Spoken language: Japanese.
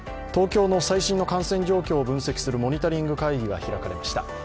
東京の最新の感染状況を分析するモニタリング会議が開かれました。